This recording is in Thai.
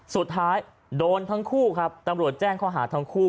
สุดท้ายโดนทั้งคู่ครับตำรวจแจ้งข้อหาทั้งคู่